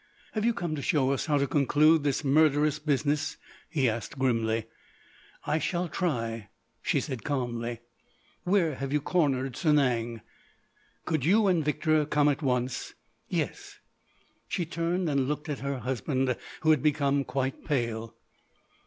"Have you come to show us how to conclude this murderous business?" he asked grimly. "I shall try," she said calmly. "Where have you cornered Sanang?" "Could you and Victor come at once?" "Yes." She turned and looked at her husband, who had become quite pale.